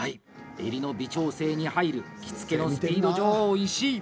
襟の微調整に入る着付のスピード女王、石井。